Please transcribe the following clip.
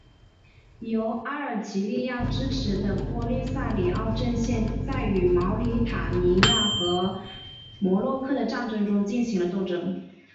由阿尔及利亚支持的波利萨里奥阵线在与毛里塔尼亚和摩洛哥的战争中进行了斗争。